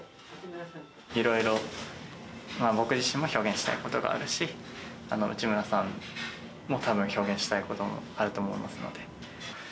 いろいろ、まあ僕自身も表現したいことがあるし、内村さんもたぶん、表現したいこともあると思いますので。